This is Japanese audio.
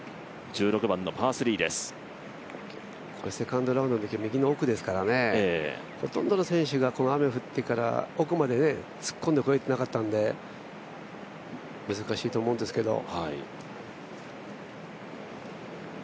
セカンドラウンドのときは右の奥ですからね、ほとんどの選手が雨が降ってから奥まで突っ込んでこれなかったので難しいと思うんですけれども。